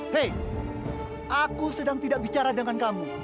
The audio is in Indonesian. hei aku sedang tidak bicara dengan kamu